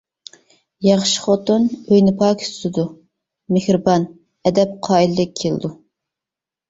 ياخشى خوتۇن: ئۆينى پاكىز تۇتىدۇ، مېھرىبان، ئەدەپ-قائىدىلىك كېلىدۇ.